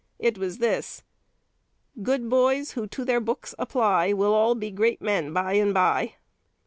It was this: 'Good boys who to their books apply Will all be great men by and by.'"